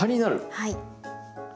はい。